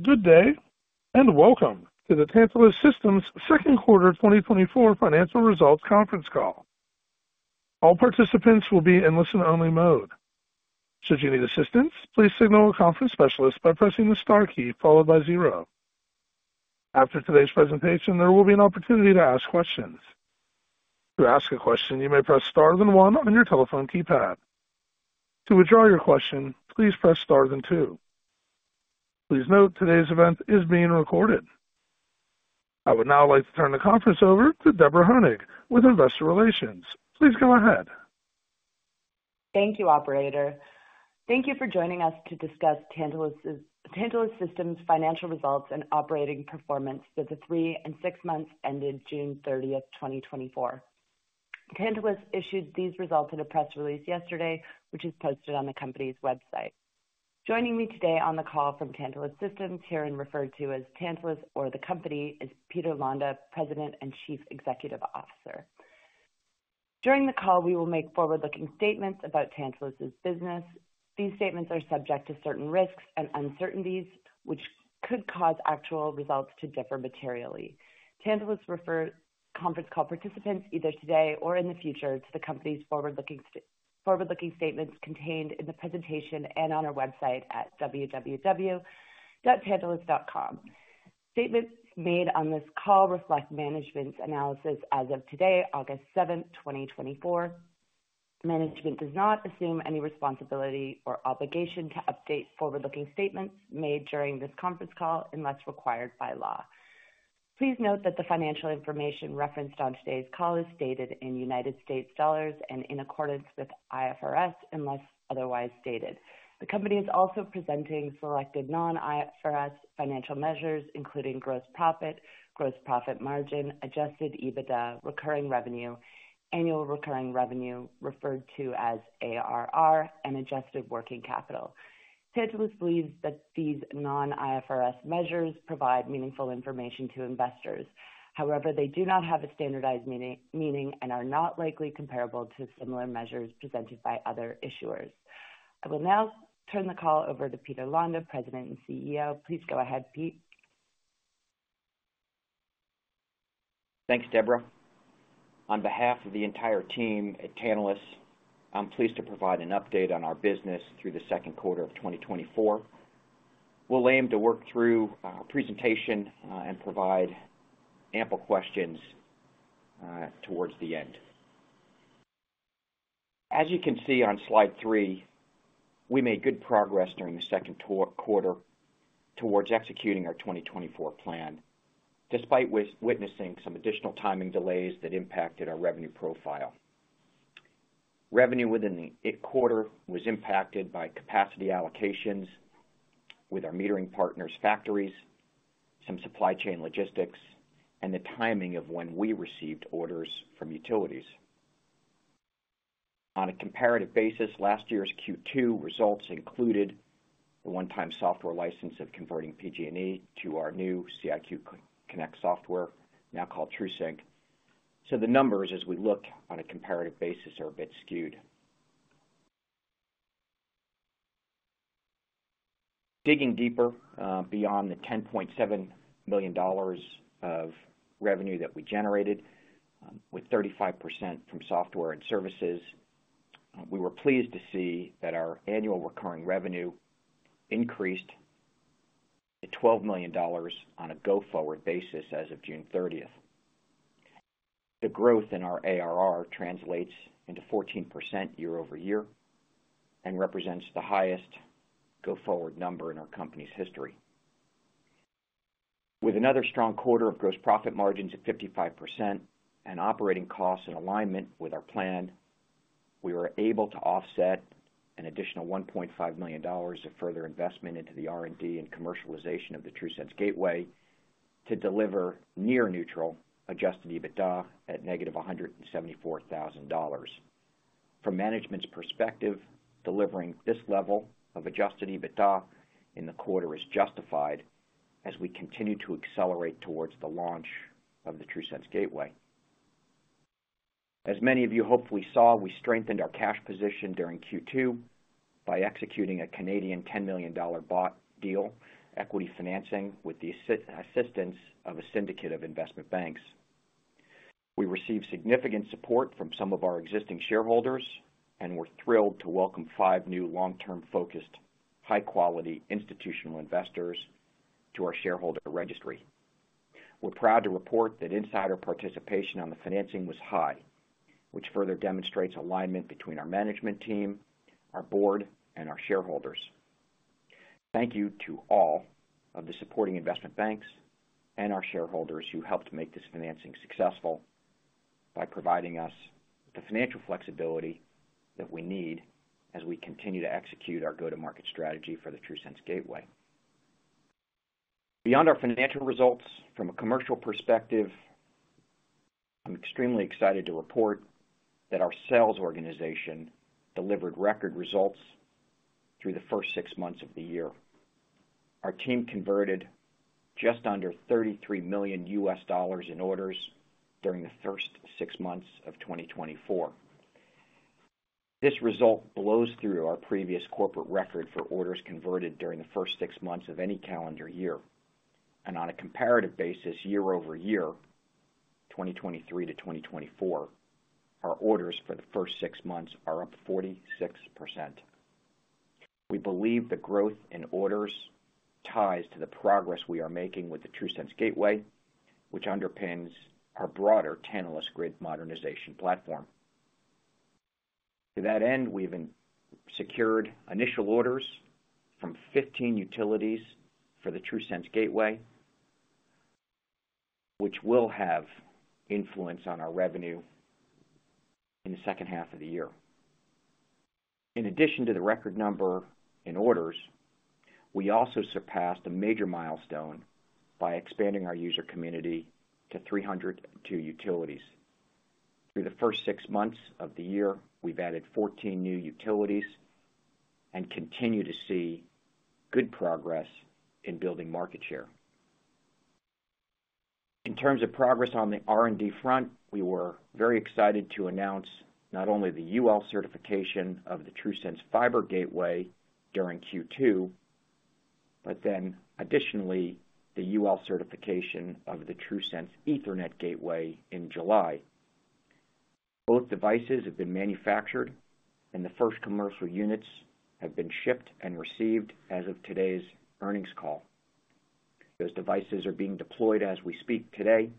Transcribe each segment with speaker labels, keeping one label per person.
Speaker 1: Good day, and welcome to the Tantalus Systems' second quarter 2024 financial results conference call. All participants will be in listen-only mode. Should you need assistance, please signal a conference specialist by pressing the star key followed by zero. After today's presentation, there will be an opportunity to ask questions. To ask a question, you may press star then one on your telephone keypad. To withdraw your question, please press star then two. Please note today's event is being recorded. I would now like to turn the conference over to Deborah Honig with Investor Relations. Please go ahead.
Speaker 2: Thank you, Operator. Thank you for joining us to discuss Tantalus Systems' financial results and operating performance for the three and six months ended June 30th, 2024. Tantalus issued these results in a press release yesterday, which is posted on the company's website. Joining me today on the call from Tantalus Systems, here and referred to as Tantalus or the company, is Peter Londa, President and Chief Executive Officer. During the call, we will make forward-looking statements about Tantalus's business. These statements are subject to certain risks and uncertainties, which could cause actual results to differ materially. Tantalus refers conference call participants, either today or in the future, to the company's forward-looking statements contained in the presentation and on our website at www.tantalus.com. Statements made on this call reflect management's analysis as of today, August 7th, 2024. Management does not assume any responsibility or obligation to update forward-looking statements made during this conference call unless required by law. Please note that the financial information referenced on today's call is stated in U.S. dollars and in accordance with IFRS unless otherwise stated. The company is also presenting selected non-IFRS financial measures, including gross profit, gross profit margin, Adjusted EBITDA, recurring revenue, annual recurring revenue, referred to as ARR, and adjusted working capital. Tantalus believes that these non-IFRS measures provide meaningful information to investors. However, they do not have a standardized meaning and are not likely comparable to similar measures presented by other issuers. I will now turn the call over to Peter Londa, President and CEO. Please go ahead, Pete.
Speaker 3: Thanks, Deborah. On behalf of the entire team at Tantalus, I'm pleased to provide an update on our business through the second quarter of 2024. We'll aim to work through our presentation and provide ample questions towards the end. As you can see on slide three, we made good progress during the second quarter towards executing our 2024 plan, despite witnessing some additional timing delays that impacted our revenue profile. Revenue within the quarter was impacted by capacity allocations with our metering partners' factories, some supply chain logistics, and the timing of when we received orders from utilities. On a comparative basis, last year's Q2 results included the one-time software license of converting PG&E to our new C.IQ Connect software, now called TRUSync. So the numbers, as we look on a comparative basis, are a bit skewed. Digging deeper beyond the $10.7 million of revenue that we generated, with 35% from software and services, we were pleased to see that our annual recurring revenue increased to $12 million on a go-forward basis as of June 30th. The growth in our ARR translates into 14% year-over-year and represents the highest go-forward number in our company's history. With another strong quarter of gross profit margins at 55% and operating costs in alignment with our plan, we were able to offset an additional $1.5 million of further investment into the R&D and commercialization of the TRUSense Gateway to deliver near-neutral adjusted EBITDA at -$174,000. From management's perspective, delivering this level of adjusted EBITDA in the quarter is justified as we continue to accelerate towards the launch of the TRUSense Gateway. As many of you hopefully saw, we strengthened our cash position during Q2 by executing a 10 million Canadian dollars bought deal equity financing with the assistance of a syndicate of investment banks. We received significant support from some of our existing shareholders and were thrilled to welcome five new long-term-focused, high-quality institutional investors to our shareholder registry. We're proud to report that insider participation on the financing was high, which further demonstrates alignment between our management team, our board, and our shareholders. Thank you to all of the supporting investment banks and our shareholders who helped make this financing successful by providing us the financial flexibility that we need as we continue to execute our go-to-market strategy for the TRUSense Gateway. Beyond our financial results, from a commercial perspective, I'm extremely excited to report that our sales organization delivered record results through the first six months of the year. Our team converted just under $33 million in orders during the first six months of 2024. This result blows through our previous corporate record for orders converted during the first six months of any calendar year. On a comparative basis, year-over-year, 2023 to 2024, our orders for the first six months are up 46%. We believe the growth in orders ties to the progress we are making with the TRUSense Gateway, which underpins our broader Tantalus grid modernization platform. To that end, we have secured initial orders from 15 utilities for the TRUSense Gateway, which will have influence on our revenue in the second half of the year. In addition to the record number in orders, we also surpassed a major milestone by expanding our user community to 302 utilities. Through the first six months of the year, we've added 14 new utilities and continue to see good progress in building market share. In terms of progress on the R&D front, we were very excited to announce not only the UL certification of the TRUSense Fiber Gateway during Q2, but then additionally the UL certification of the TRUSense Ethernet Gateway in July. Both devices have been manufactured, and the first commercial units have been shipped and received as of today's earnings call. Those devices are being deployed as we speak today,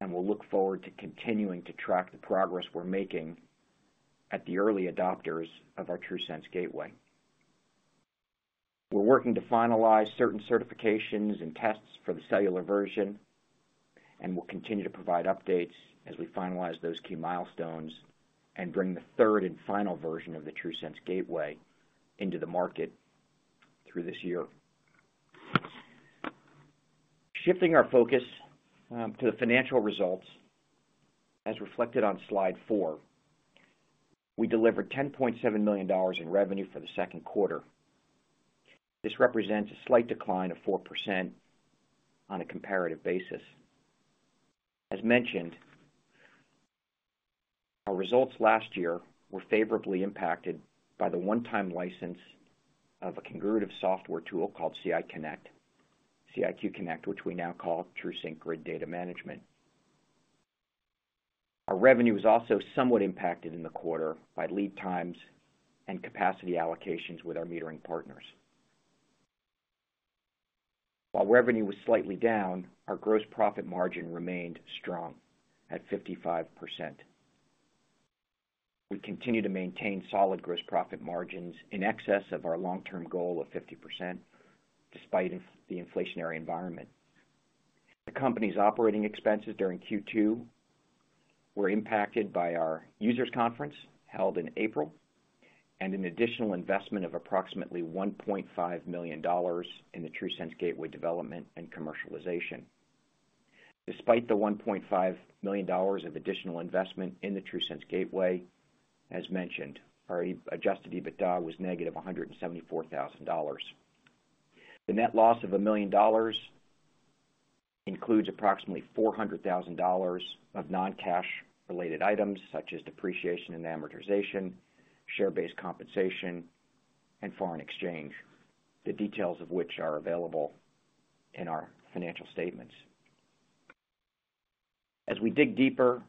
Speaker 3: and we'll look forward to continuing to track the progress we're making at the early adopters of our TRUSense Gateway. We're working to finalize certain certifications and tests for the cellular version, and we'll continue to provide updates as we finalize those key milestones and bring the third and final version of the TRUSense Gateway into the market through this year. Shifting our focus to the financial results, as reflected on slide four, we delivered $10.7 million in revenue for the second quarter. This represents a slight decline of 4% on a comparative basis. As mentioned, our results last year were favorably impacted by the one-time license of a Congruent software tool called C.IQ Connect, which we now call TRUSync Grid Data Management. Our revenue was also somewhat impacted in the quarter by lead times and capacity allocations with our metering partners. While revenue was slightly down, our gross profit margin remained strong at 55%. We continue to maintain solid gross profit margins in excess of our long-term goal of 50% despite the inflationary environment. The company's operating expenses during Q2 were impacted by our users' conference held in April and an additional investment of approximately $1.5 million in the TRUSense Gateway development and commercialization. Despite the $1.5 million of additional investment in the TRUSense Gateway, as mentioned, our Adjusted EBITDA was negative $174,000. The net loss of $1 million includes approximately $400,000 of non-cash-related items such as depreciation and amortization, share-based compensation, and foreign exchange, the details of which are available in our financial statements. As we dig deeper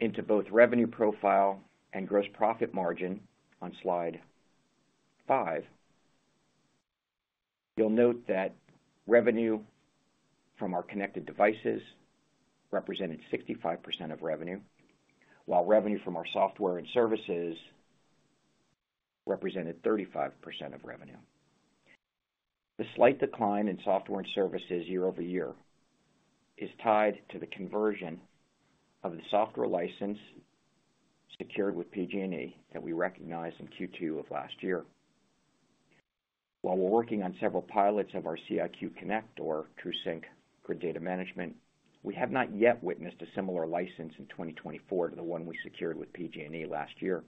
Speaker 3: into both revenue profile and gross profit margin on slide five, you'll note that revenue from our connected devices represented 65% of revenue, while revenue from our software and services represented 35% of revenue. The slight decline in software and services year-over-year is tied to the conversion of the software license secured with PG&E that we recognized in Q2 of last year. While we're working on several pilots of our C.IQ Connect or TRUSync Grid Data Management, we have not yet witnessed a similar license in 2024 to the one we secured with PG&E last year.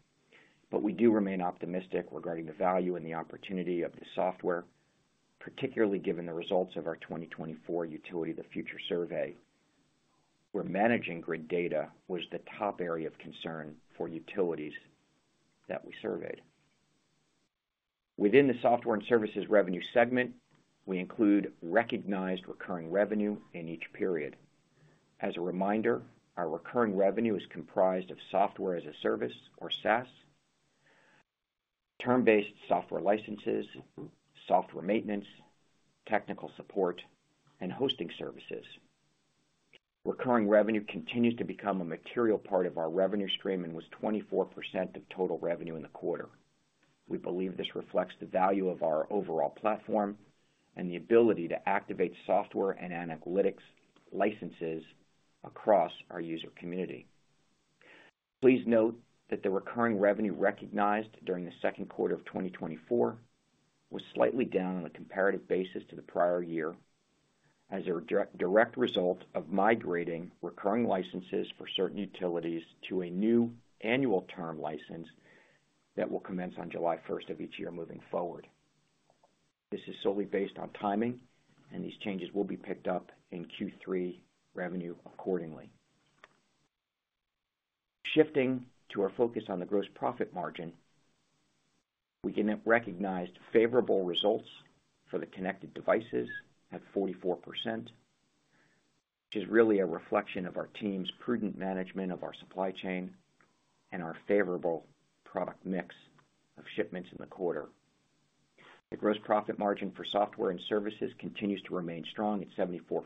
Speaker 3: But we do remain optimistic regarding the value and the opportunity of the software, particularly given the results of our 2024 Utility of the Future survey, where managing grid data was the top area of concern for utilities that we surveyed. Within the software and services revenue segment, we include recognized recurring revenue in each period. As a reminder, our recurring revenue is comprised of software as a service or SaaS, term-based software licenses, software maintenance, technical support, and hosting services. Recurring revenue continues to become a material part of our revenue stream and was 24% of total revenue in the quarter. We believe this reflects the value of our overall platform and the ability to activate software and analytics licenses across our user community. Please note that the recurring revenue recognized during the second quarter of 2024 was slightly down on a comparative basis to the prior year as a direct result of migrating recurring licenses for certain utilities to a new annual term license that will commence on July 1st of each year moving forward. This is solely based on timing, and these changes will be picked up in Q3 revenue accordingly. Shifting to our focus on the gross profit margin, we can recognize favorable results for the connected devices at 44%, which is really a reflection of our team's prudent management of our supply chain and our favorable product mix of shipments in the quarter. The gross profit margin for software and services continues to remain strong at 74%.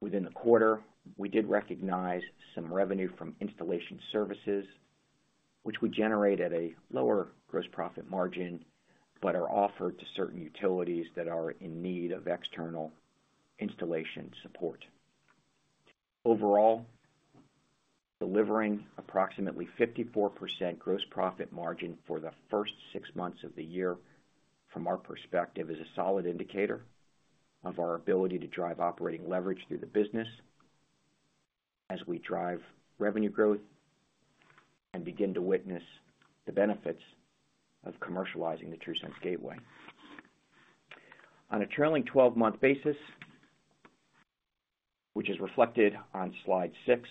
Speaker 3: Within the quarter, we did recognize some revenue from installation services, which we generate at a lower gross profit margin but are offered to certain utilities that are in need of external installation support. Overall, delivering approximately 54% gross profit margin for the first six months of the year from our perspective is a solid indicator of our ability to drive operating leverage through the business as we drive revenue growth and begin to witness the benefits of commercializing the TRUSense Gateway. On a trailing 12-month basis, which is reflected on slide six,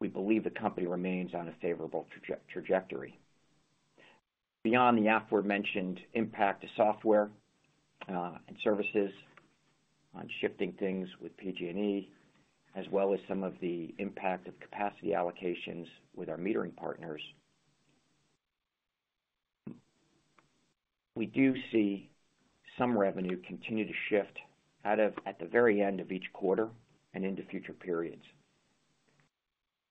Speaker 3: we believe the company remains on a favorable trajectory. Beyond the aforementioned impact to software and services on shifting things with PG&E, as well as some of the impact of capacity allocations with our metering partners, we do see some revenue continue to shift at the very end of each quarter and into future periods.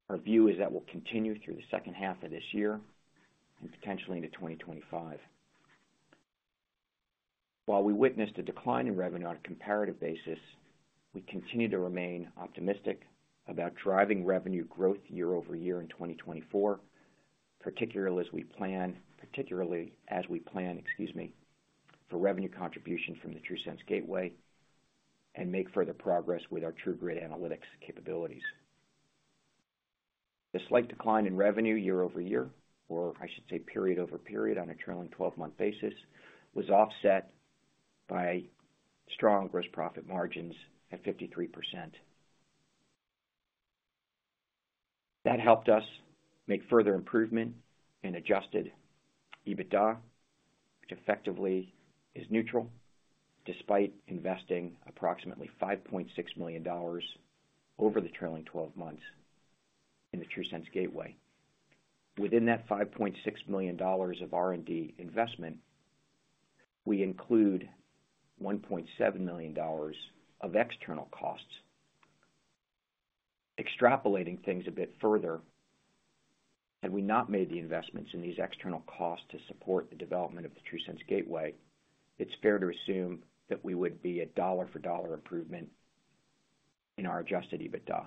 Speaker 3: Our view is that will continue through the second half of this year and potentially into 2025. While we witnessed a decline in revenue on a comparative basis, we continue to remain optimistic about driving revenue growth year-over-year in 2024, particularly as we plan, excuse me, for revenue contribution from the TRUSense Gateway and make further progress with our TRUGrid analytics capabilities. The slight decline in revenue year-over-year, or I should say period-over-period on a trailing 12-month basis, was offset by strong gross profit margins at 53%. That helped us make further improvement in Adjusted EBITDA, which effectively is neutral despite investing approximately $5.6 million over the trailing 12 months in the TRUSense Gateway. Within that $5.6 million of R&D investment, we include $1.7 million of external costs. Extrapolating things a bit further, had we not made the investments in these external costs to support the development of the TRUSense Gateway, it's fair to assume that we would be a dollar-for-dollar improvement in our Adjusted EBITDA.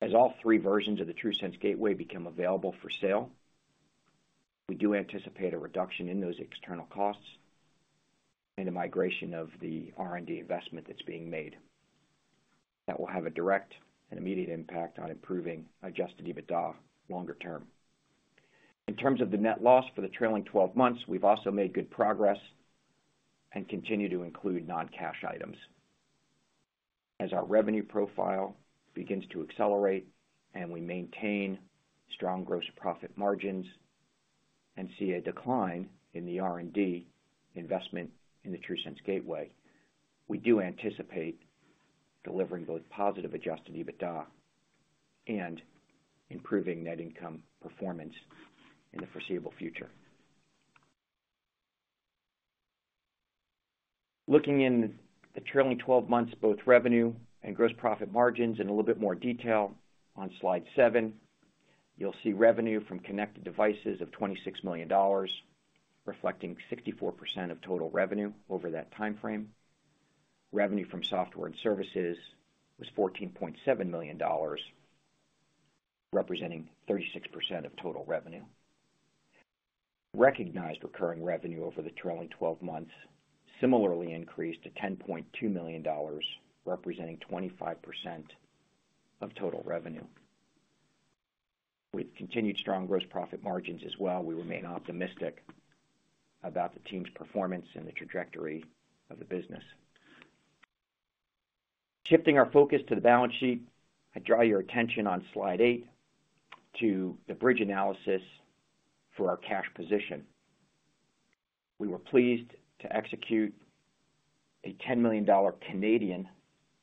Speaker 3: As all three versions of the TRUSense Gateway become available for sale, we do anticipate a reduction in those external costs and a migration of the R&D investment that's being made. That will have a direct and immediate impact on improving Adjusted EBITDA longer term. In terms of the net loss for the trailing 12 months, we've also made good progress and continue to include non-cash items. As our revenue profile begins to accelerate and we maintain strong gross profit margins and see a decline in the R&D investment in the TRUSense Gateway, we do anticipate delivering both positive Adjusted EBITDA and improving net income performance in the foreseeable future. Looking in the trailing 12 months, both revenue and gross profit margins in a little bit more detail on slide seven, you'll see revenue from connected devices of $26 million, reflecting 64% of total revenue over that timeframe. Revenue from software and services was $14.7 million, representing 36% of total revenue. Recognized recurring revenue over the trailing 12 months similarly increased to $10.2 million, representing 25% of total revenue. With continued strong gross profit margins as well, we remain optimistic about the team's performance and the trajectory of the business. Shifting our focus to the balance sheet, I draw your attention on slide eight to the bridge analysis for our cash position. We were pleased to execute a 10 million Canadian dollars Canadian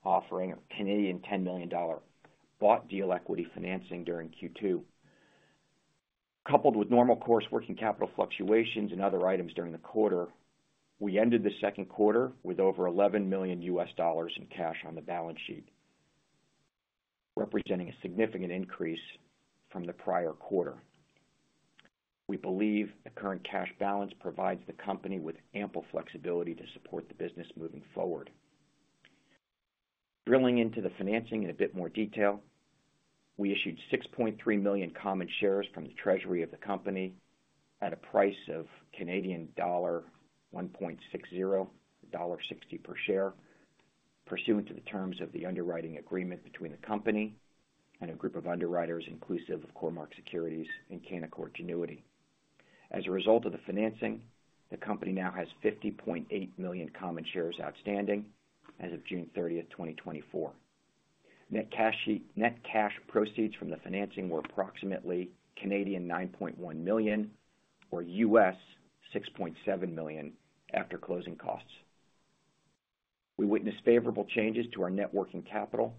Speaker 3: offering or Canadian 10 million Canadian dollars bought deal equity financing during Q2. Coupled with normal course working capital fluctuations and other items during the quarter, we ended the second quarter with over $11 million in cash on the balance sheet, representing a significant increase from the prior quarter. We believe the current cash balance provides the company with ample flexibility to support the business moving forward. Drilling into the financing in a bit more detail, we issued 6.3 million common shares from the treasury of the company at a price of 1.60 dollar, $1.60 per share, pursuant to the terms of the underwriting agreement between the company and a group of underwriters inclusive of Cormark Securities and Canaccord Genuity. As a result of the financing, the company now has 50.8 million common shares outstanding as of June 30th, 2024. Net cash proceeds from the financing were approximately 9.1 million or $6.7 million after closing costs. We witnessed favorable changes to our working capital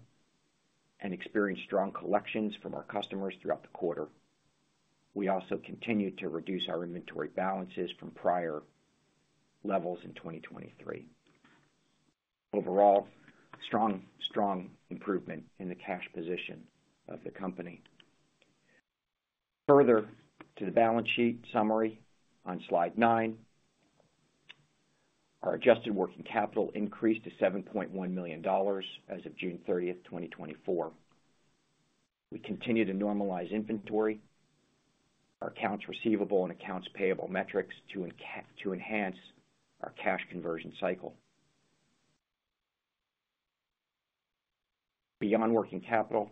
Speaker 3: and experienced strong collections from our customers throughout the quarter. We also continued to reduce our inventory balances from prior levels in 2023. Overall, strong improvement in the cash position of the company. Further to the balance sheet summary on slide nine, our Adjusted Working Capital increased to $7.1 million as of June 30th, 2024. We continue to normalize inventory, our accounts receivable, and accounts payable metrics to enhance our cash conversion cycle. Beyond working capital,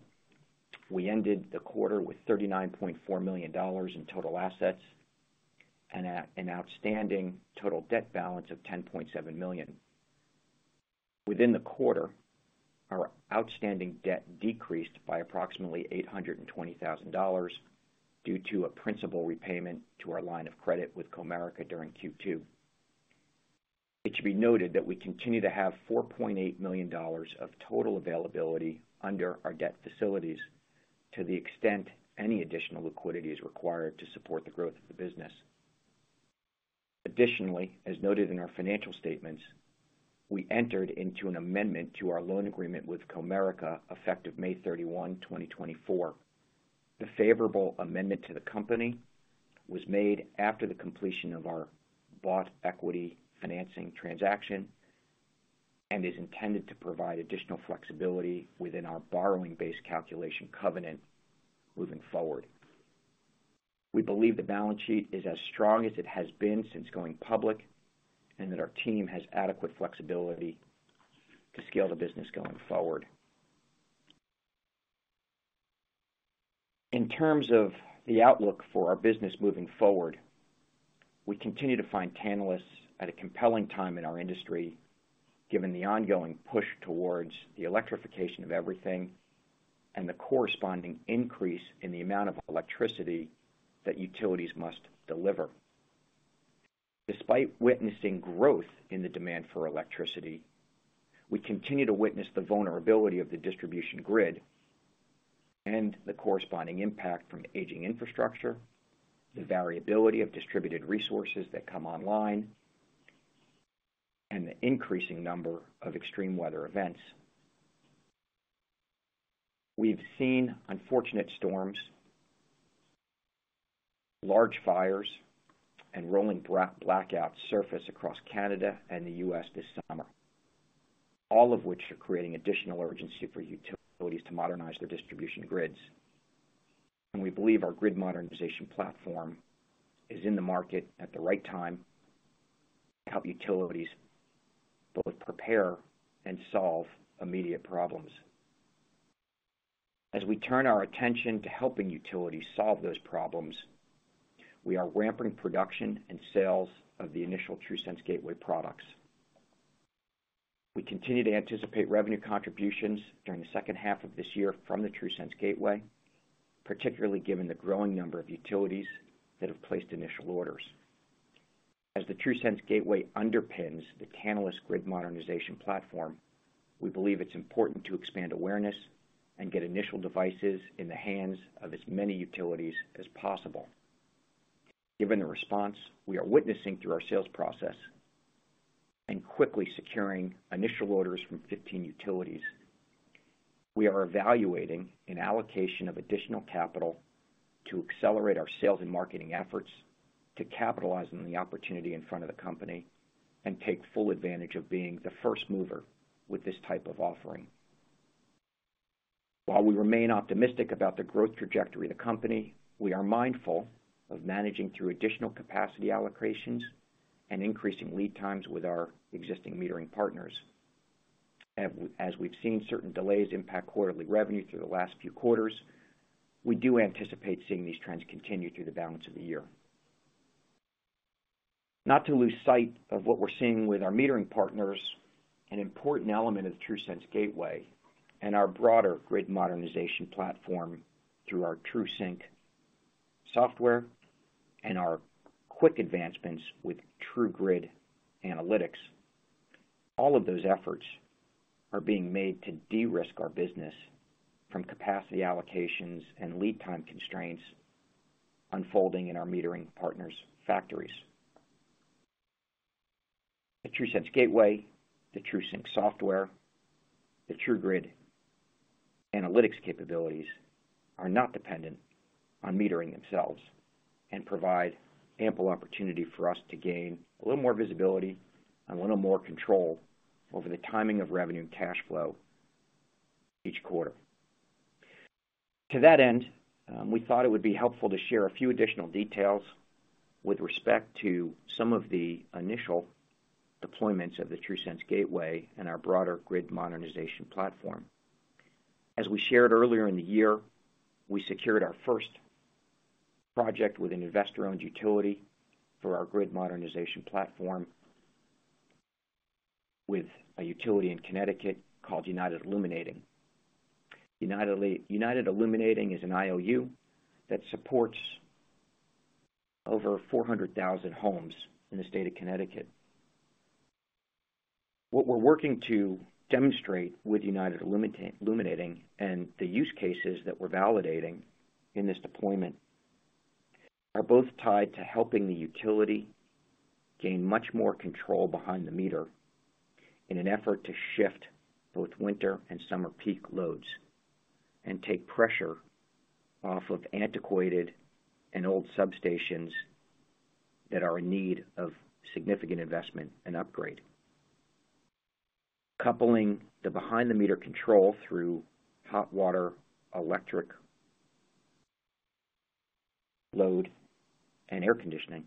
Speaker 3: we ended the quarter with $39.4 million in total assets and an outstanding total debt balance of $10.7 million. Within the quarter, our outstanding debt decreased by approximately $820,000 due to a principal repayment to our line of credit with Comerica during Q2. It should be noted that we continue to have $4.8 million of total availability under our debt facilities to the extent any additional liquidity is required to support the growth of the business. Additionally, as noted in our financial statements, we entered into an amendment to our loan agreement with Comerica effective May 31, 2024. The favorable amendment to the company was made after the completion of our bought deal equity financing transaction and is intended to provide additional flexibility within our borrowing-based calculation covenant moving forward. We believe the balance sheet is as strong as it has been since going public and that our team has adequate flexibility to scale the business going forward. In terms of the outlook for our business moving forward, we continue to find Tantalus at a compelling time in our industry given the ongoing push towards the electrification of everything and the corresponding increase in the amount of electricity that utilities must deliver. Despite witnessing growth in the demand for electricity, we continue to witness the vulnerability of the distribution grid and the corresponding impact from aging infrastructure, the variability of distributed resources that come online, and the increasing number of extreme weather events. We've seen unfortunate storms, large fires, and rolling blackouts surface across Canada and the U.S. this summer, all of which are creating additional urgency for utilities to modernize their distribution grids. We believe our grid modernization platform is in the market at the right time to help utilities both prepare and solve immediate problems. As we turn our attention to helping utilities solve those problems, we are ramping production and sales of the initial TRUSense Gateway products. We continue to anticipate revenue contributions during the second half of this year from the TRUSense Gateway, particularly given the growing number of utilities that have placed initial orders. As the TRUSense Gateway underpins the Tantalus grid modernization platform, we believe it's important to expand awareness and get initial devices in the hands of as many utilities as possible. Given the response we are witnessing through our sales process and quickly securing initial orders from 15 utilities, we are evaluating an allocation of additional capital to accelerate our sales and marketing efforts to capitalize on the opportunity in front of the company and take full advantage of being the first mover with this type of offering. While we remain optimistic about the growth trajectory of the company, we are mindful of managing through additional capacity allocations and increasing lead times with our existing metering partners. As we've seen certain delays impact quarterly revenue through the last few quarters, we do anticipate seeing these trends continue through the balance of the year. Not to lose sight of what we're seeing with our metering partners, an important element of the TRUSense Gateway and our broader grid modernization platform through our TRUSync software and our quick advancements with TRUGrid analytics, all of those efforts are being made to de-risk our business from capacity allocations and lead time constraints unfolding in our metering partners' factories. The TRUSense Gateway, the TRUSync software, the TRUGrid analytics capabilities are not dependent on metering themselves and provide ample opportunity for us to gain a little more visibility and a little more control over the timing of revenue and cash flow each quarter. To that end, we thought it would be helpful to share a few additional details with respect to some of the initial deployments of the TRUSense Gateway and our broader grid modernization platform. As we shared earlier in the year, we secured our first project with an investor-owned utility for our grid modernization platform with a utility in Connecticut called United Illuminating. United Illuminating is an IOU that supports over 400,000 homes in the state of Connecticut. What we're working to demonstrate with United Illuminating and the use cases that we're validating in this deployment are both tied to helping the utility gain much more control behind the meter in an effort to shift both winter and summer peak loads and take pressure off of antiquated and old substations that are in need of significant investment and upgrade. Coupling the behind-the-meter control through hot water electric load and air conditioning,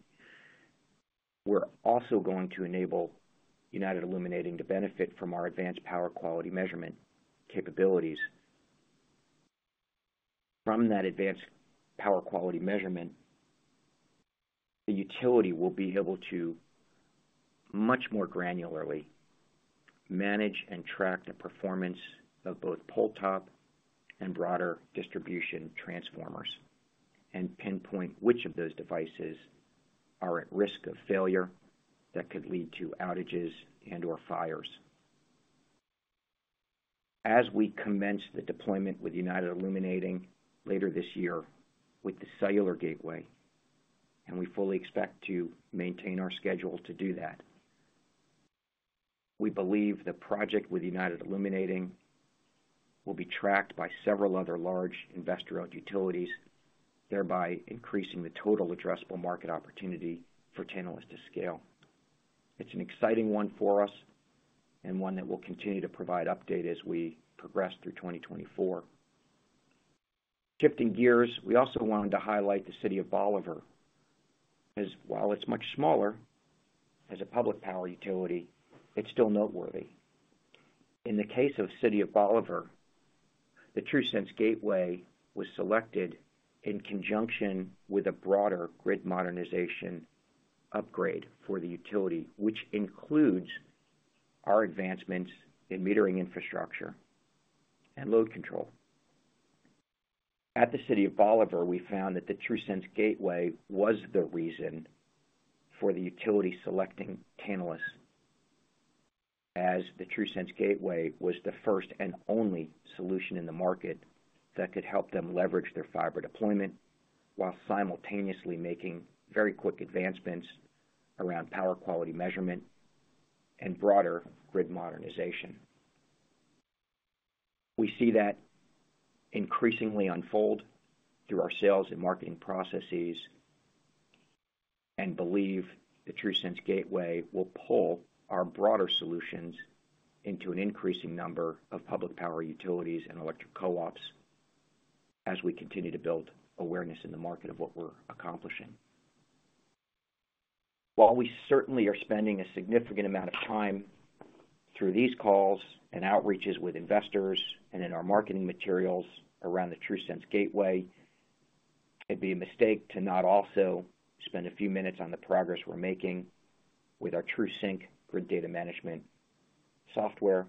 Speaker 3: we're also going to enable United Illuminating to benefit from our advanced power quality measurement capabilities. From that advanced power quality measurement, the utility will be able to much more granularly manage and track the performance of both pole-top and broader distribution transformers and pinpoint which of those devices are at risk of failure that could lead to outages and/or fires. As we commence the deployment with United Illuminating later this year with the cellular gateway, and we fully expect to maintain our schedule to do that, we believe the project with United Illuminating will be tracked by several other large investor-owned utilities, thereby increasing the total addressable market opportunity for Tantalus to scale. It's an exciting one for us and one that will continue to provide update as we progress through 2024. Shifting gears, we also wanted to highlight the City of Bolivar as, while it's much smaller as a public power utility, it's still noteworthy. In the case of City of Bolivar, the TRUSense Gateway was selected in conjunction with a broader grid modernization upgrade for the utility, which includes our advancements in metering infrastructure and load control. At the City of Bolivar, we found that the TRUSense Gateway was the reason for the utility selecting Tantalus as the TRUSense Gateway was the first and only solution in the market that could help them leverage their fiber deployment while simultaneously making very quick advancements around power quality measurement and broader grid modernization. We see that increasingly unfold through our sales and marketing processes and believe the TRUSense Gateway will pull our broader solutions into an increasing number of public power utilities and electric co-ops as we continue to build awareness in the market of what we're accomplishing. While we certainly are spending a significant amount of time through these calls and outreaches with investors and in our marketing materials around the TRUSense Gateway, it'd be a mistake to not also spend a few minutes on the progress we're making with our TRUSync for data management software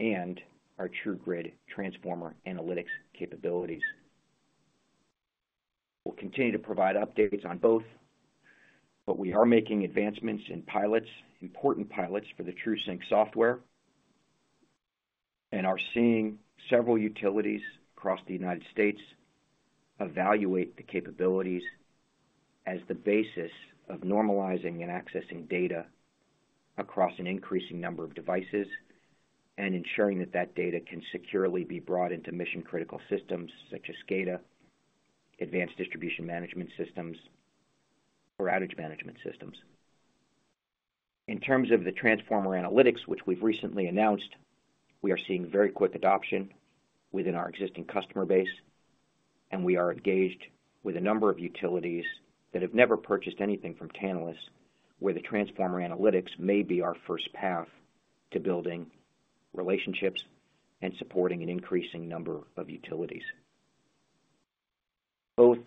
Speaker 3: and our TRUGrid transformer analytics capabilities. We'll continue to provide updates on both, but we are making advancements in pilots, important pilots for the TRUSync software, and are seeing several utilities across the United States evaluate the capabilities as the basis of normalizing and accessing data across an increasing number of devices and ensuring that that data can securely be brought into mission-critical systems such as SCADA, advanced distribution management systems, or outage management systems. In terms of the transformer analytics, which we've recently announced, we are seeing very quick adoption within our existing customer base, and we are engaged with a number of utilities that have never purchased anything from Tantalus where the transformer analytics may be our first path to building relationships and supporting an increasing number of utilities. Both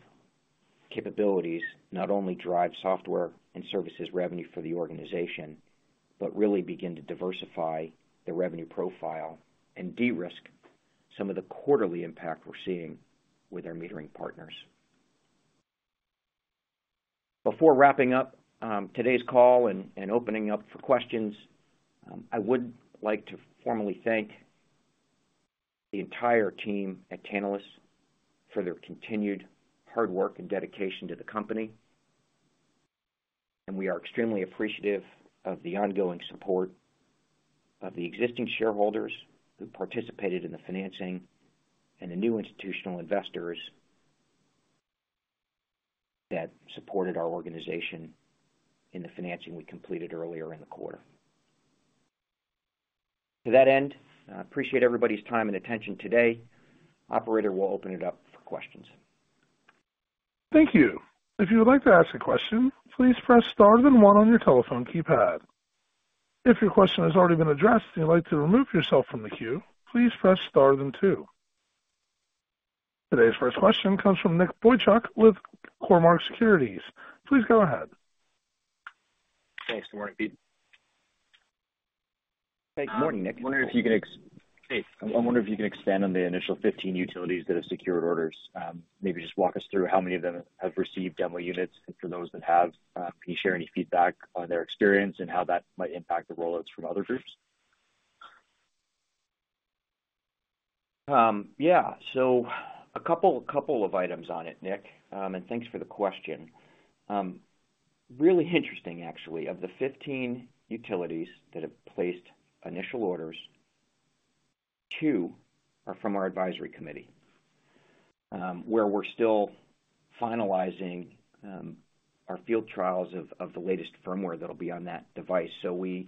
Speaker 3: capabilities not only drive software and services revenue for the organization, but really begin to diversify the revenue profile and de-risk some of the quarterly impact we're seeing with our metering partners. Before wrapping up today's call and opening up for questions, I would like to formally thank the entire team at Tantalus for their continued hard work and dedication to the company. We are extremely appreciative of the ongoing support of the existing shareholders who participated in the financing and the new institutional investors that supported our organization in the financing we completed earlier in the quarter. To that end, I appreciate everybody's time and attention today. Operator will open it up for questions.
Speaker 1: Thank you. If you would like to ask a question, please press star then one on your telephone keypad. If your question has already been addressed and you'd like to remove yourself from the queue, please press star then two. Today's first question comes from Nick Boychuk with Cormark Securities. Please go ahead.
Speaker 4: Thanks. Good morning, Pete.
Speaker 3: Hey. Good morning, Nick.
Speaker 4: I'm wondering if you can - hey. I'm wondering if you can expand on the initial 15 utilities that have secured orders. Maybe just walk us through how many of them have received demo units. For those that have, can you share any feedback on their experience and how that might impact the rollouts from other groups?
Speaker 3: Yeah. So a couple of items on it, Nick, and thanks for the question. Really interesting, actually. Of the 15 utilities that have placed initial orders, two are from our advisory committee where we're still finalizing our field trials of the latest firmware that'll be on that device. So we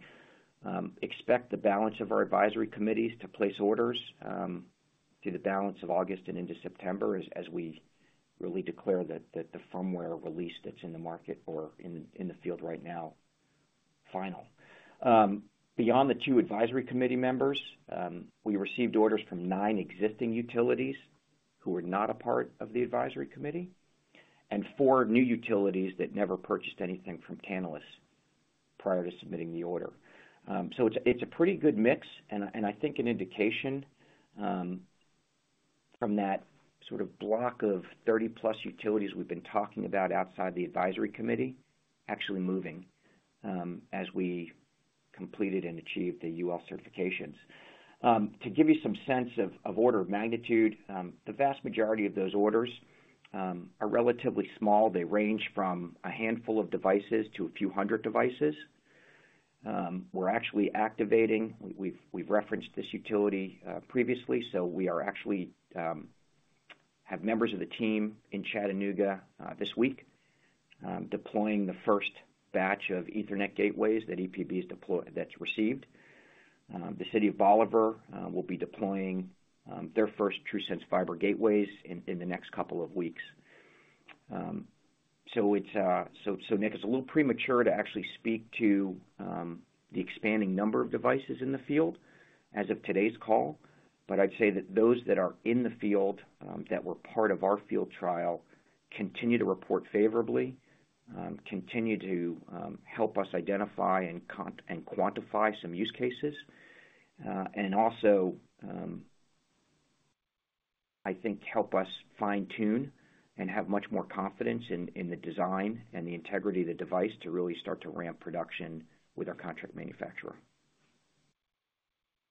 Speaker 3: expect the balance of our advisory committees to place orders through the balance of August and into September as we really declare that the firmware release that's in the market or in the field right now is final. Beyond the two advisory committee members, we received orders from nine existing utilities who were not a part of the advisory committee and four new utilities that never purchased anything from Tantalus prior to submitting the order. So it's a pretty good mix, and I think an indication from that sort of block of 30+ utilities we've been talking about outside the advisory committee actually moving as we completed and achieved the UL certifications. To give you some sense of order of magnitude, the vast majority of those orders are relatively small. They range from a handful of devices to a few hundred devices. We're actually activating, we've referenced this utility previously, so we actually have members of the team in Chattanooga this week deploying the first batch of Ethernet gateways that EPB has received from the City of Bolivar. They'll be deploying their first TRUSense Fiber Gateways in the next couple of weeks. So Nick, it's a little premature to actually speak to the expanding number of devices in the field as of today's call, but I'd say that those that are in the field that were part of our field trial continue to report favorably, continue to help us identify and quantify some use cases, and also, I think, help us fine-tune and have much more confidence in the design and the integrity of the device to really start to ramp production with our contract manufacturer.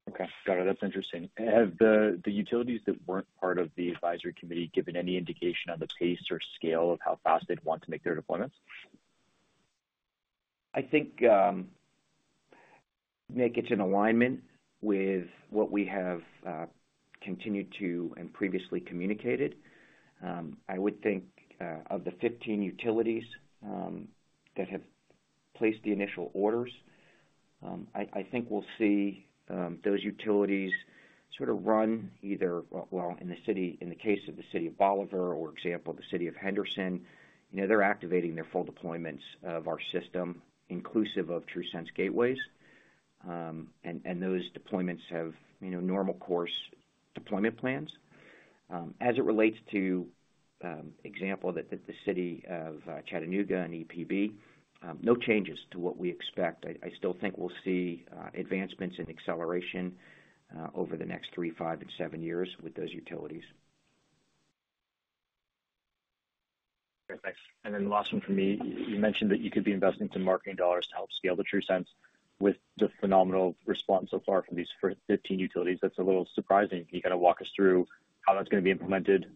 Speaker 4: Okay. Got it. That's interesting. Have the utilities that weren't part of the advisory committee given any indication on the pace or scale of how fast they'd want to make their deployments?
Speaker 3: I think, Nick, it's in alignment with what we have continued to and previously communicated. I would think of the 15 utilities that have placed the initial orders, I think we'll see those utilities sort of run either, well, in the case of the City of Bolivar or, for example, the City of Henderson, they're activating their full deployments of our system, inclusive of TRUSense gateways. And those deployments have normal course deployment plans. As it relates to, for example, the City of Chattanooga and EPB, no changes to what we expect. I still think we'll see advancements and acceleration over the next three, five, and seven years with those utilities.
Speaker 4: Okay. Thanks. And then the last one for me, you mentioned that you could be investing some marketing dollars to help scale the TRUSense with the phenomenal response so far from these 15 utilities. That's a little surprising. Can you kind of walk us through how that's going to be implemented,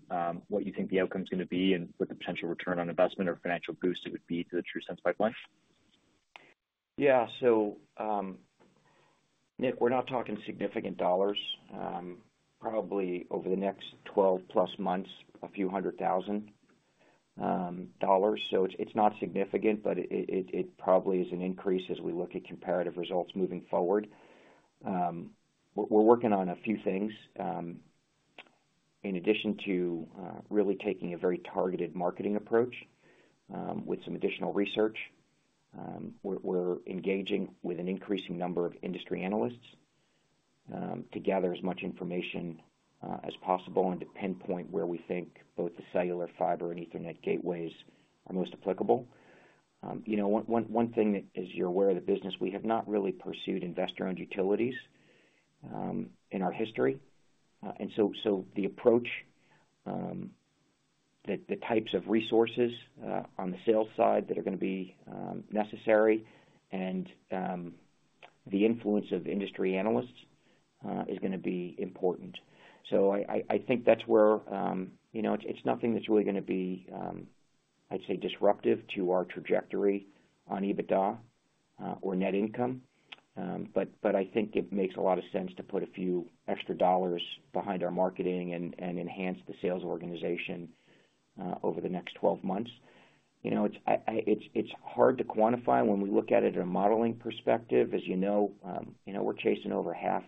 Speaker 4: what you think the outcome's going to be, and what the potential return on investment or financial boost it would be to the TRUSense pipeline?
Speaker 3: Yeah. So Nick, we're not talking significant dollars. Probably over the next 12+ months, $a few 100,000. So it's not significant, but it probably is an increase as we look at comparative results moving forward. We're working on a few things. In addition to really taking a very targeted marketing approach with some additional research, we're engaging with an increasing number of industry analysts to gather as much information as possible and to pinpoint where we think both the cellular, fiber, and Ethernet gateways are most applicable. One thing that, as you're aware of the business, we have not really pursued investor-owned utilities in our history. So the approach, the types of resources on the sales side that are going to be necessary, and the influence of industry analysts is going to be important. So I think that's where it's nothing that's really going to be, I'd say, disruptive to our trajectory on EBITDA or net income. But I think it makes a lot of sense to put a few extra dollars behind our marketing and enhance the sales organization over the next 12 months. It's hard to quantify when we look at it in a modeling perspective. As you know, we're chasing over $500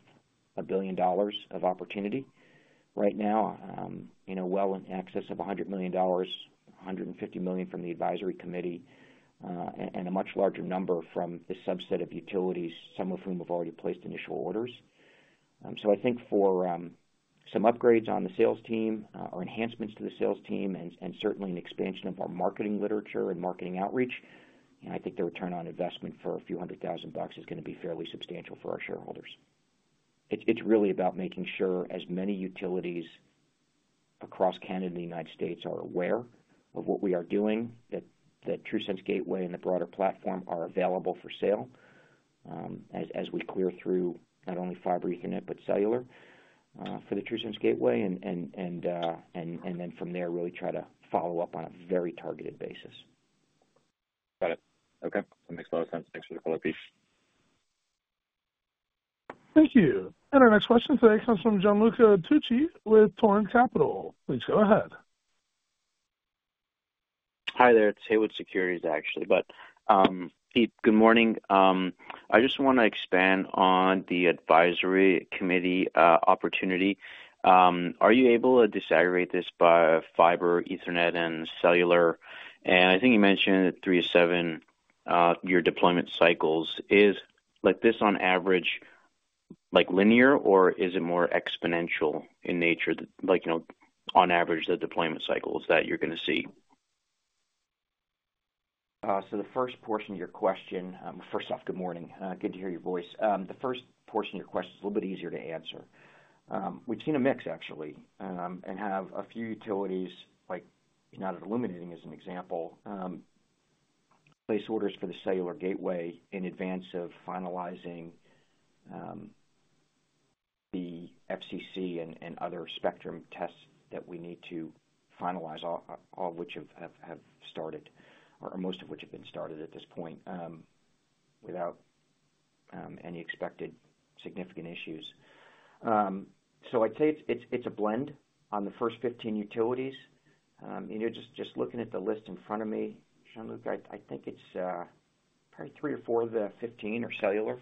Speaker 3: million of opportunity right now, well in excess of $100 million, $150 million from the advisory committee, and a much larger number from the subset of utilities, some of whom have already placed initial orders. So I think for some upgrades on the sales team or enhancements to the sales team, and certainly an expansion of our marketing literature and marketing outreach, I think the return on investment for $ a few hundred thousand is going to be fairly substantial for our shareholders. It's really about making sure as many utilities across Canada and the United States are aware of what we are doing, that TRUSense Gateway and the broader platform are available for sale as we clear through not only fiber Ethernet but cellular for the TRUSense Gateway, and then from there, really try to follow up on a very targeted basis.
Speaker 4: Got it. Okay. That makes a lot of sense. Thanks for the color, Pete.
Speaker 1: Thank you. And our next question today comes from Gianluca Tucci with Haywood Securities. Please go ahead.
Speaker 5: Hi there. It's Haywood Securities, actually. But Pete, good morning. I just want to expand on the advisory committee opportunity. Are you able to disaggregate this by fiber, Ethernet, and cellular? And I think you mentioned at 3-7 your deployment cycles. Is this on average linear, or is it more exponential in nature, on average, the deployment cycles that you're going to see?
Speaker 3: So the first portion of your question, first off, good morning. Good to hear your voice. The first portion of your question is a little bit easier to answer. We've seen a mix, actually, and have a few utilities, United Illuminating as an example, place orders for the cellular gateway in advance of finalizing the FCC and other spectrum tests that we need to finalize, all of which have started, or most of which have been started at this point without any expected significant issues. So I'd say it's a blend on the first 15 utilities. Just looking at the list in front of me, Gianluca, I think it's probably three or four of the 15 are cellular.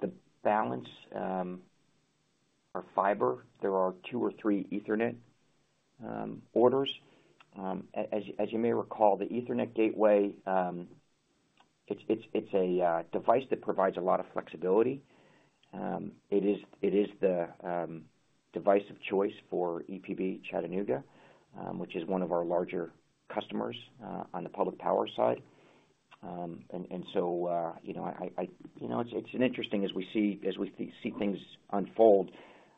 Speaker 3: The balance are fiber. There are two or three Ethernet orders. As you may recall, the Ethernet gateway, it's a device that provides a lot of flexibility. It is the device of choice for EPB Chattanooga, which is one of our larger customers on the public power side. And so it's interesting as we see things unfold,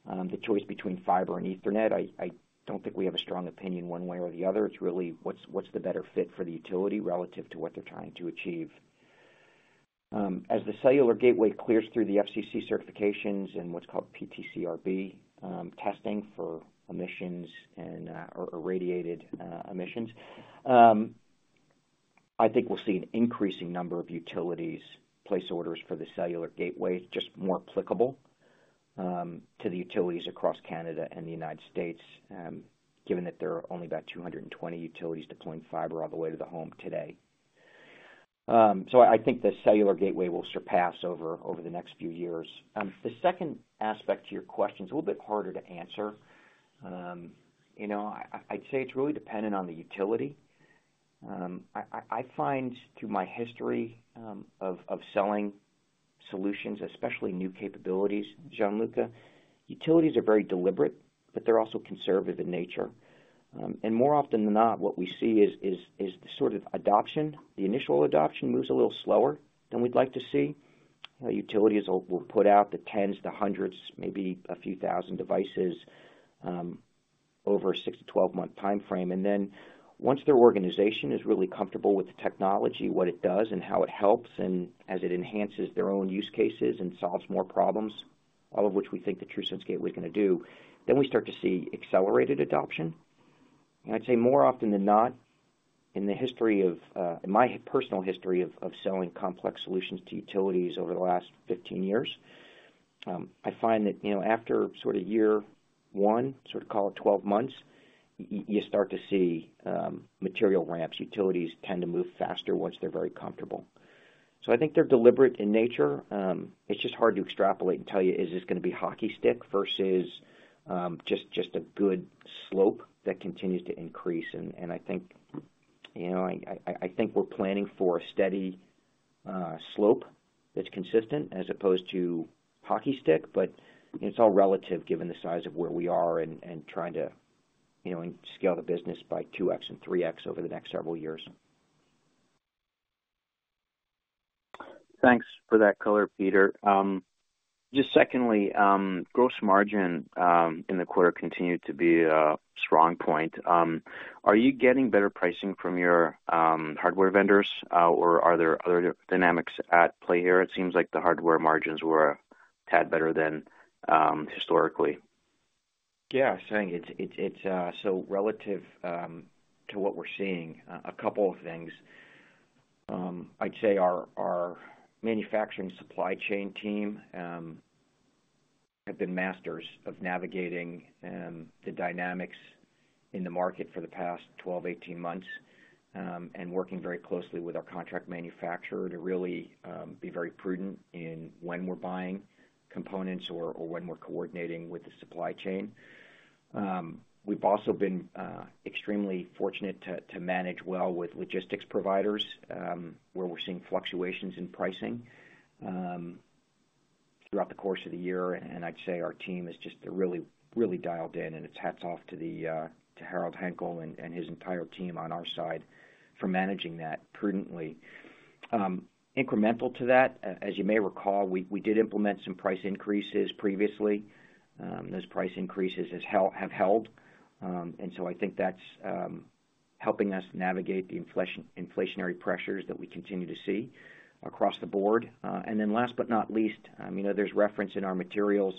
Speaker 3: the choice between fiber and Ethernet. I don't think we have a strong opinion one way or the other. It's really what's the better fit for the utility relative to what they're trying to achieve. As the cellular gateway clears through the FCC certifications and what's called PTCRB testing for emissions and/or radiated emissions, I think we'll see an increasing number of utilities place orders for the cellular gateway, just more applicable to the utilities across Canada and the United States, given that there are only about 220 utilities deploying fiber all the way to the home today. So I think the cellular gateway will surpass over the next few years. The second aspect to your question is a little bit harder to answer. I'd say it's really dependent on the utility. I find through my history of selling solutions, especially new capabilities, Gianluca, utilities are very deliberate, but they're also conservative in nature. And more often than not, what we see is the sort of adoption, the initial adoption moves a little slower than we'd like to see. Utilities will put out the tens, the hundreds, maybe a few thousand devices over a 6- to 12-month timeframe. And then once their organization is really comfortable with the technology, what it does and how it helps, and as it enhances their own use cases and solves more problems, all of which we think the TRUSense Gateway is going to do, then we start to see accelerated adoption. And I'd say more often than not, in my personal history of selling complex solutions to utilities over the last 15 years, I find that after sort of year one, sort of call it 12 months, you start to see material ramps. Utilities tend to move faster once they're very comfortable. So I think they're deliberate in nature. It's just hard to extrapolate and tell you, "Is this going to be hockey stick versus just a good slope that continues to increase?" And I think we're planning for a steady slope that's consistent as opposed to hockey stick, but it's all relative given the size of where we are and trying to scale the business by 2x and 3x over the next several years.
Speaker 5: Thanks for that color, Peter. Just secondly, gross margin in the quarter continued to be a strong point. Are you getting better pricing from your hardware vendors, or are there other dynamics at play here? It seems like the hardware margins were a tad better than historically.
Speaker 3: Yeah. I was saying it's so relative to what we're seeing. A couple of things. I'd say our manufacturing supply chain team have been masters of navigating the dynamics in the market for the past 12, 18 months and working very closely with our contract manufacturer to really be very prudent in when we're buying components or when we're coordinating with the supply chain. We've also been extremely fortunate to manage well with logistics providers where we're seeing fluctuations in pricing throughout the course of the year. And I'd say our team is just really dialed in, and it's hats off to Harold Hankel and his entire team on our side for managing that prudently. Incremental to that, as you may recall, we did implement some price increases previously. Those price increases have held. And so I think that's helping us navigate the inflationary pressures that we continue to see across the board. And then last but not least, there's reference in our materials.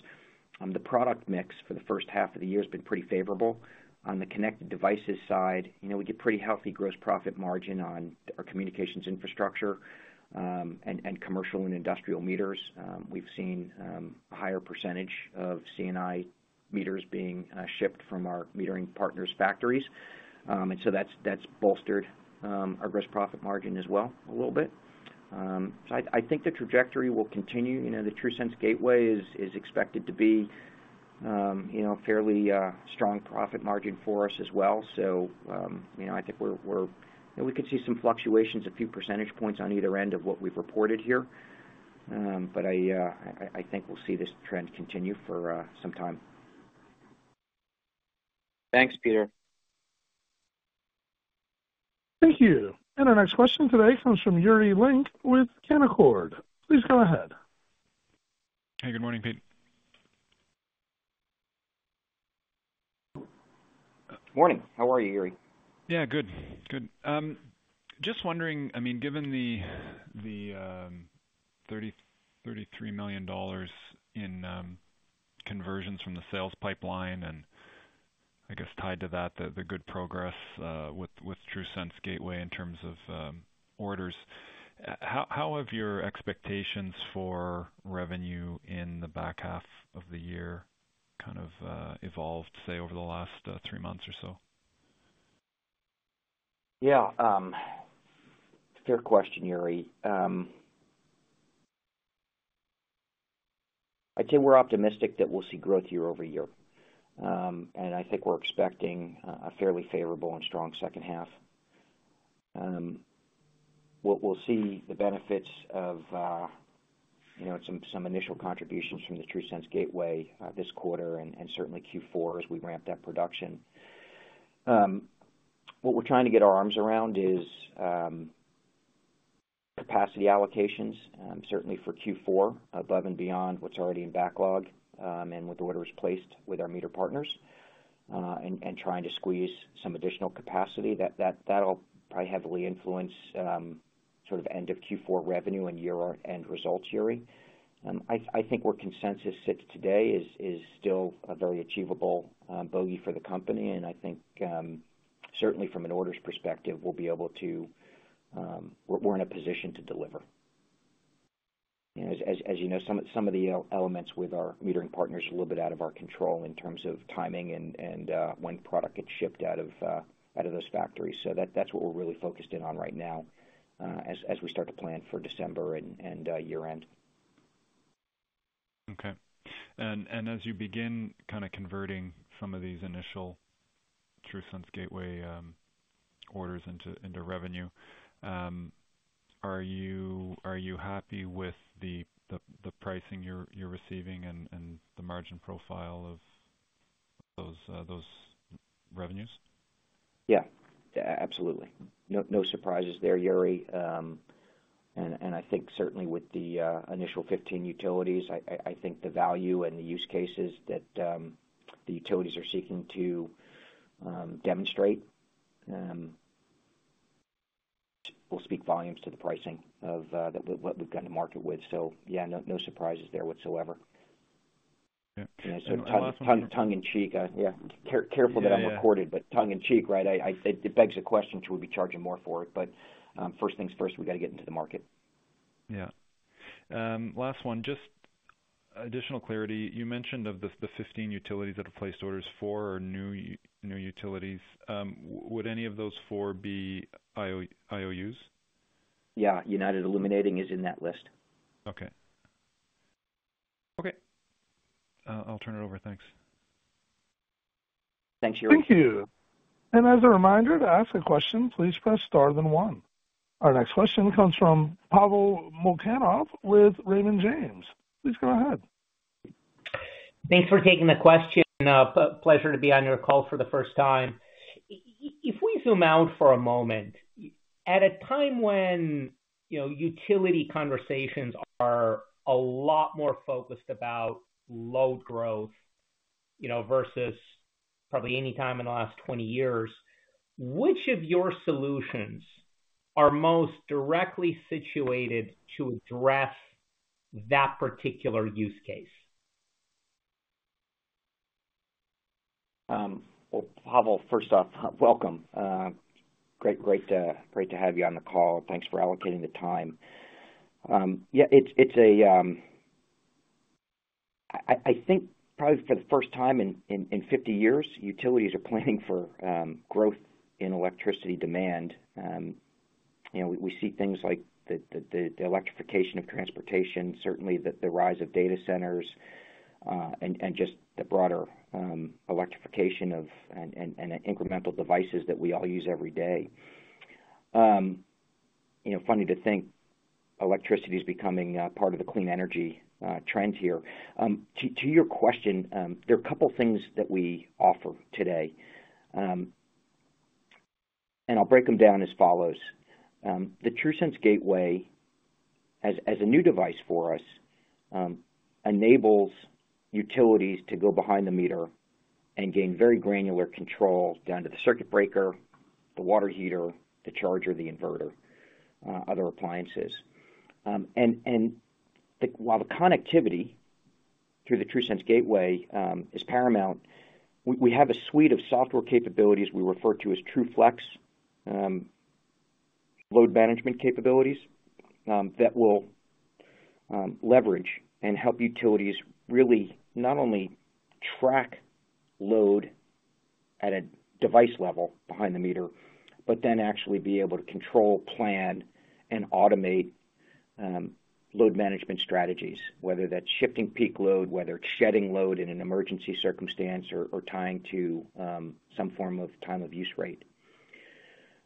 Speaker 3: The product mix for the first half of the year has been pretty favorable. On the connected devices side, we get pretty healthy gross profit margin on our communications infrastructure and commercial and industrial meters. We've seen a higher percentage of CNI meters being shipped from our metering partners' factories. And so that's bolstered our gross profit margin as well a little bit. So I think the trajectory will continue. The TRUSense Gateway is expected to be a fairly strong profit margin for us as well. So I think we could see some fluctuations, a few percentage points on either end of what we've reported here. But I think we'll see this trend continue for some time.
Speaker 5: Thanks, Peter.
Speaker 1: Thank you. And our next question today comes from Yuri Lynk with Canaccord. Please go ahead.
Speaker 6: Hey, good morning, Pete.
Speaker 3: Morning. How are you, Yuri?
Speaker 6: Yeah, good. Good. Just wondering, I mean, given the $33 million in conversions from the sales pipeline and, I guess, tied to that, the good progress with TRUSense Gateway in terms of orders, how have your expectations for revenue in the back half of the year kind of evolved, say, over the last three months or so?
Speaker 3: Yeah. Fair question, Yuri. I'd say we're optimistic that we'll see growth year-over-year. I think we're expecting a fairly favorable and strong second half. We'll see the benefits of some initial contributions from the TRUSense Gateway this quarter and certainly Q4 as we ramp that production. What we're trying to get our arms around is capacity allocations, certainly for Q4, above and beyond what's already in backlog and with orders placed with our meter partners and trying to squeeze some additional capacity. That'll probably heavily influence sort of end of Q4 revenue and year-end results, Yuri. I think where consensus sits today is still a very achievable bogey for the company. I think certainly from an orders perspective, we'll be able to, we're in a position to deliver. As you know, some of the elements with our metering partners are a little bit out of our control in terms of timing and when product gets shipped out of those factories. So that's what we're really focused in on right now as we start to plan for December and year-end.
Speaker 6: Okay. And as you begin kind of converting some of these initial TRUSense Gateway orders into revenue, are you happy with the pricing you're receiving and the margin profile of those revenues?
Speaker 3: Yeah. Absolutely. No surprises there, Yuri. And I think certainly with the initial 15 utilities, I think the value and the use cases that the utilities are seeking to demonstrate will speak volumes to the pricing of what we've gotten to market with. So yeah, no surprises there whatsoever. And so tongue in cheek, yeah. Careful that I'm recorded, but tongue in cheek, right? It begs the question, should we be charging more for it? But first things first, we got to get into the market.
Speaker 6: Yeah. Last one, just additional clarity. You mentioned of the 15 utilities that have placed orders, four are new utilities. Would any of those four be IOUs?
Speaker 3: Yeah. United Illuminating is in that list.
Speaker 6: Okay.
Speaker 3: Okay.
Speaker 6: I'll turn it over. Thanks.
Speaker 3: Thanks, Yuri.
Speaker 1: Thank you. And as a reminder to ask a question, please press star then one. Our next question comes from Pavel Molchanov with Raymond James. Please go ahead.
Speaker 7: Thanks for taking the question. Pleasure to be on your call for the first time. If we zoom out for a moment, at a time when utility conversations are a lot more focused about load growth versus probably any time in the last 20 years, which of your solutions are most directly situated to address that particular use case?
Speaker 3: Well, Pavel, first off, welcome. Great to have you on the call. Thanks for allocating the time. Yeah, I think probably for the first time in 50 years, utilities are planning for growth in electricity demand. We see things like the electrification of transportation, certainly the rise of data centers, and just the broader electrification of and incremental devices that we all use every day. Funny to think electricity is becoming part of the clean energy trend here. To your question, there are a couple of things that we offer today. I'll break them down as follows. The TRUSense Gateway, as a new device for us, enables utilities to go behind the meter and gain very granular control down to the circuit breaker, the water heater, the charger, the inverter, other appliances. And while the connectivity through the TRUSense Gateway is paramount, we have a suite of software capabilities we refer to as TRUFlex load management capabilities that will leverage and help utilities really not only track load at a device level behind the meter, but then actually be able to control, plan, and automate load management strategies, whether that's shifting peak load, whether it's shedding load in an emergency circumstance, or tying to some form of time of use rate.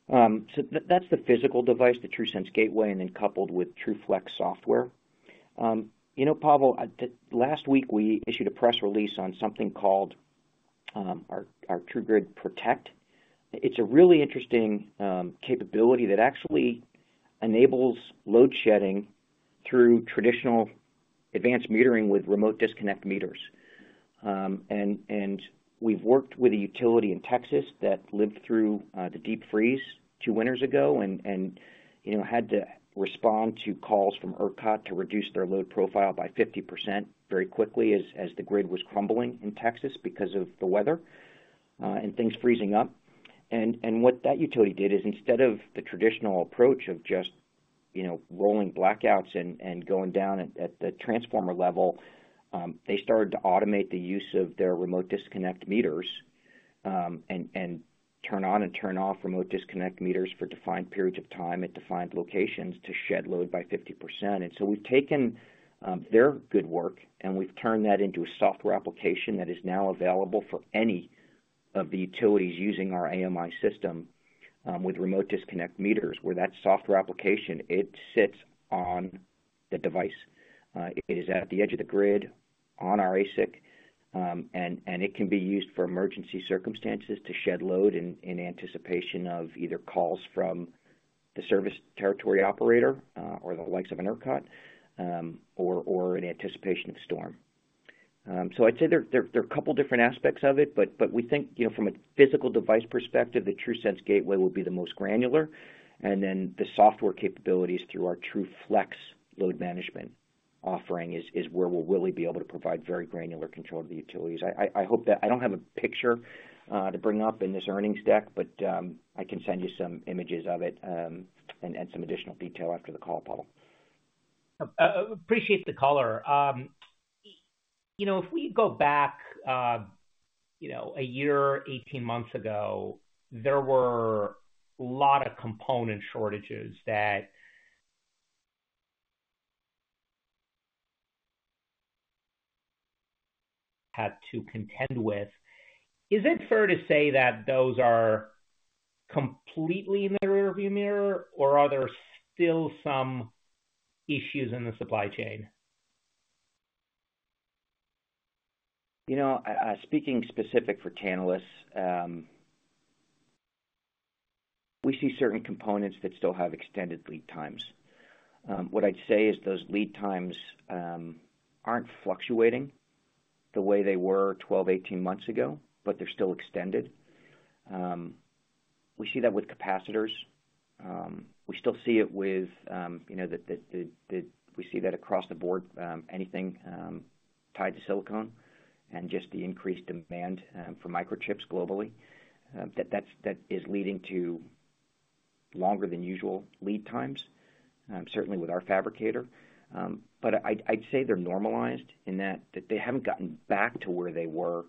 Speaker 3: That's the physical device, the TRUSense Gateway, and then coupled with TRUFlex software. You know, Pavel, last week we issued a press release on something called our TRUGrid Protect. It's a really interesting capability that actually enables load shedding through traditional advanced metering with remote disconnect meters. And we've worked with a utility in Texas that lived through the deep freeze two winters ago and had to respond to calls from ERCOT to reduce their load profile by 50% very quickly as the grid was crumbling in Texas because of the weather and things freezing up. And what that utility did is instead of the traditional approach of just rolling blackouts and going down at the transformer level, they started to automate the use of their remote disconnect meters and turn on and turn off remote disconnect meters for defined periods of time at defined locations to shed load by 50%. So we've taken their good work and we've turned that into a software application that is now available for any of the utilities using our AMI system with remote disconnect meters where that software application, it sits on the device. It is at the edge of the grid on our ASIC, and it can be used for emergency circumstances to shed load in anticipation of either calls from the service territory operator or the likes of an ERCOT or in anticipation of storm. So I'd say there are a couple of different aspects of it, but we think from a physical device perspective, the TRUSense Gateway would be the most granular. Then the software capabilities through our TRUFlex load management offering is where we'll really be able to provide very granular control to the utilities. I hope that I don't have a picture to bring up in this earnings deck, but I can send you some images of it and some additional detail after the call, Pavel.
Speaker 7: Appreciate the color. If we go back one year, 18 months ago, there were a lot of component shortages that had to contend with. Is it fair to say that those are completely in the rearview mirror, or are there still some issues in the supply chain?
Speaker 3: Speaking specifically for Tantalus, we see certain components that still have extended lead times. What I'd say is those lead times aren't fluctuating the way they were 12, 18 months ago, but they're still extended. We see that with capacitors. We still see it with that we see that across the board, anything tied to silicon and just the increased demand for microchips globally, that is leading to longer than usual lead times, certainly with our fabricator. But I'd say they're normalized in that they haven't gotten back to where they were,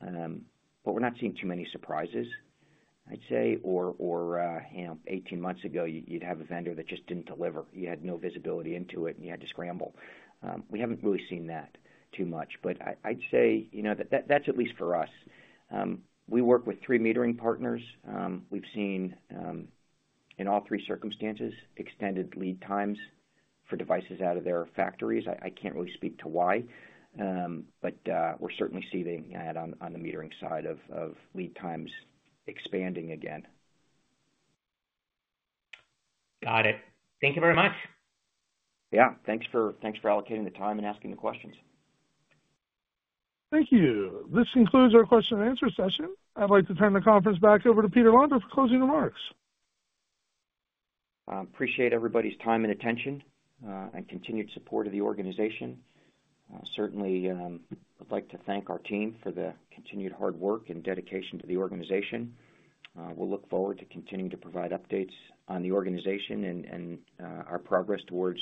Speaker 3: but we're not seeing too many surprises, I'd say. Or 18 months ago, you'd have a vendor that just didn't deliver. You had no visibility into it, and you had to scramble. We haven't really seen that too much. But I'd say that's at least for us. We work with three metering partners. We've seen in all three circumstances extended lead times for devices out of their factories. I can't really speak to why, but we're certainly seeing that on the metering side of lead times expanding again.
Speaker 7: Got it. Thank you very much.
Speaker 3: Yeah. Thanks for allocating the time and asking the questions.
Speaker 1: Thank you. This concludes our question and answer session. I'd like to turn the conference back over to Peter Londa for closing remarks.
Speaker 3: Appreciate everybody's time and attention and continued support of the organization. Certainly, I'd like to thank our team for the continued hard work and dedication to the organization. We'll look forward to continuing to provide updates on the organization and our progress towards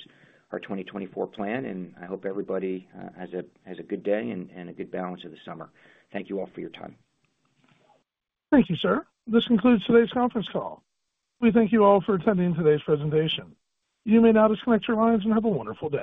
Speaker 3: our 2024 plan. And I hope everybody has a good day and a good balance of the summer. Thank you all for your time.
Speaker 1: Thank you, sir. This concludes today's conference call. We thank you all for attending today's presentation. You may now disconnect your lines and have a wonderful day.